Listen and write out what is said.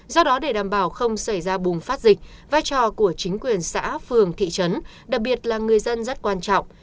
do đó để đảm bảo không xảy ra bùng phát dịch vai trò của chính quyền xã phường thị trấn đặc biệt là người dân rất quan trọng